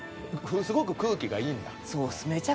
すごく空気がいいんだ。